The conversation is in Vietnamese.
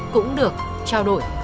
cũng được trao đổi